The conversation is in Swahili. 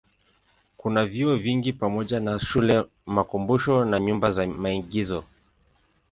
Kuna vyuo vingi pamoja na shule, makumbusho na nyumba za maigizo.